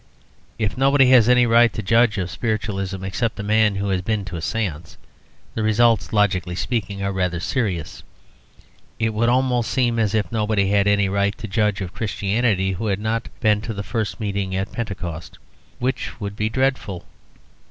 If nobody has any right to judge of Spiritualism except a man who has been to a séance, the results, logically speaking, are rather serious: it would almost seem as if nobody had any right to judge of Christianity who had not been to the first meeting at Pentecost. Which would be dreadful.